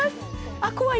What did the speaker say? あっ、怖い。